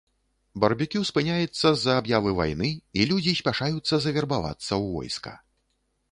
Барбекю спыняецца з-за аб'явы вайны, і людзі спяшаюцца завербавацца ў войска.